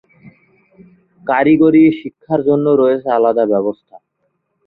কারিগরি শিক্ষার জন্য রয়েছে আলাদা ব্যবস্থা।